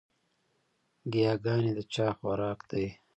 ګياګانې د چا خوراک دے؟